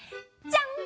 じゃん！